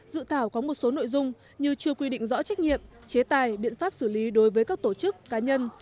dự thảo có một số nội dung như chưa quy định rõ trách nhiệm chế tài biện pháp xử lý đối với các tổ chức cá nhân